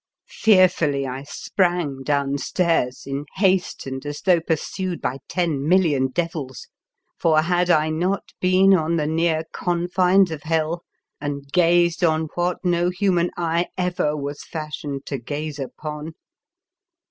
Fearfully I sprang down stairs, in haste and as though pursued by ten million devils, for had I not been on the near confines of hell and gazed on what no human eye ever was fashioned to gaze upon?